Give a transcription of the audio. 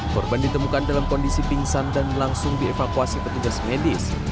korban ditemukan dalam kondisi pingsan dan langsung dievakuasi petugas medis